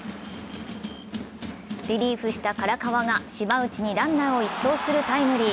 リリーフした唐川が島内にランナーを一掃するタイムリー。